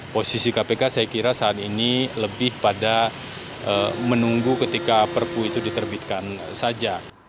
posisi kpk saya kira saat ini lebih pada menunggu ketika perpu itu diterbitkan saja